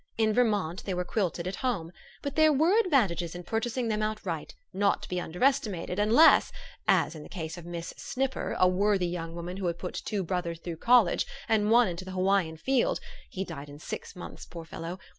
In Vermont they were quilted at home. But there were advantages in purchasing them outright, not to be under estimated, unless as in the case of Miss Snipper, a worthy young woman who had put two brothers through college, and one into the Hawaiian field (he died in six months, poor fellow!)